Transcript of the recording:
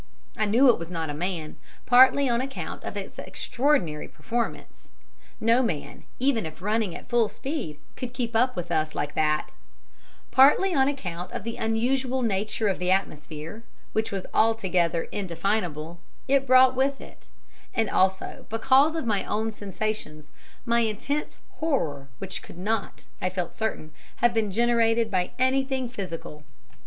I knew it was not a man, partly on account of its extraordinary performance no man, even if running at full speed, could keep up with us like that; partly on account of the unusual nature of the atmosphere which was altogether indefinable it brought with it; and also because of my own sensations my intense horror which could not, I felt certain, have been generated by anything physical.